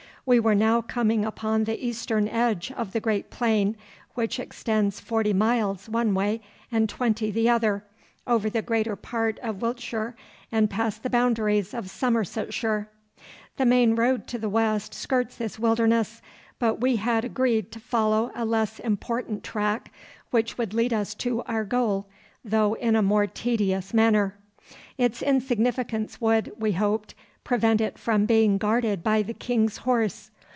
We were now coming upon the eastern edge of the great plain, which extends forty miles one way and twenty the other, over the greater part of Wiltshire and past the boundaries of Somersetshire. The main road to the West skirts this wilderness, but we had agreed to follow a less important track, which would lead us to our goal, though in a more tedious manner. Its insignificance would, we hoped, prevent it from being guarded by the King's horse.